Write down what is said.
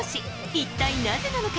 一体なぜなのか？